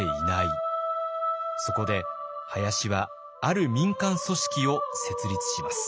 そこで林はある民間組織を設立します。